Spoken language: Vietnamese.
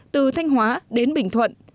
từ thanh hóa đến bình thuận